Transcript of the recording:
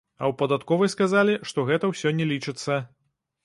А ў падатковай сказалі, што гэта ўсё не лічыцца.